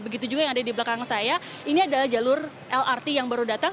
begitu juga yang ada di belakang saya ini adalah jalur lrt yang baru datang